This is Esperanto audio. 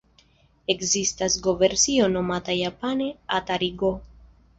Ekzistas go-versio nomata japane 'Atari-go'.